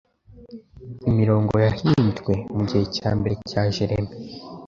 Imirongo yahimbye mugihe cya mbere cya Jeremy